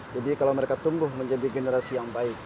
jadi kalau mereka tumbuh menjadi generasi yang baik